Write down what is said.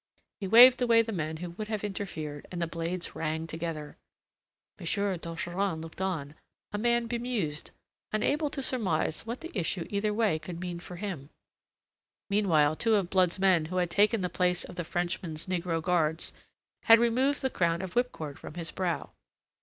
He waved away the men who would have interfered, and the blades rang together. M. d'Ogeron looked on, a man bemused, unable to surmise what the issue either way could mean for him. Meanwhile, two of Blood's men who had taken the place of the Frenchman's negro guards, had removed the crown of whipcord from his brow.